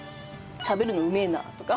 食べるのうめえなとか。